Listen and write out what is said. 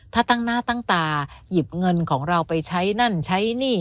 ถ้าตั้งหน้าตั้งตาหยิบเงินของเราไปใช้นั่นใช้หนี้